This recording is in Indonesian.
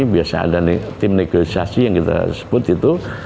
biasanya ada tim negosiasi yang kita sebut itu